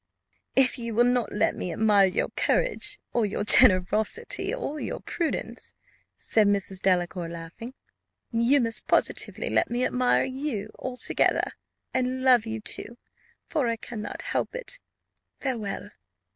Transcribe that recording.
"Well, if you will not let me admire your courage, or your generosity, or your prudence," said Mrs. Delacour laughing, "you must positively let me admire you altogether, and love you too, for I cannot help it. Farewell."